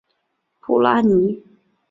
普拉尼。